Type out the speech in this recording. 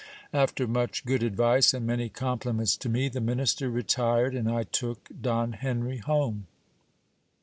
After much good advice, and many compliments to me, the minister retired, and I took Don Henry home.